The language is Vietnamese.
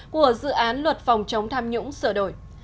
của dự án luật phòng chống tham nhũng sửa đổi